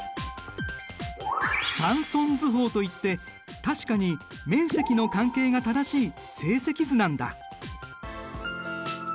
サンソン図法といって確かに面積の関係が正しい正積図なんだ。